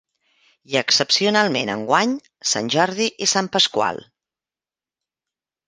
I excepcionalment enguany sant Jordi i sant Pasqual.